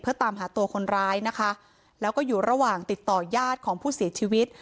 เพื่อตามหาตัวคนร้ายนะคะแล้วก็อยู่ระหว่างติดต่อยาดของผู้เสียชีวิต